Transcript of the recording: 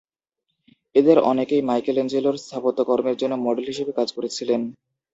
এদের অনেকেই মাইকেলএঞ্জেলোর স্থাপত্যকর্মের জন্য মডেল হিসেবে কাজ করেছিলেন।